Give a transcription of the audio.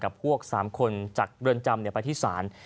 กับพวกสามคนจัดเรื่องจำไปที่ศาล